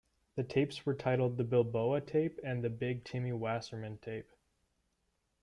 The tapes were titled the "Bilboa" tape and the "Big Timmy Wasserman" tape.